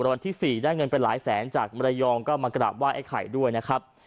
วันที่๔ได้เงินไปหลายแสนจากมรยองก็มากราบไห้ไอ้ไข่ด้วยนะครับ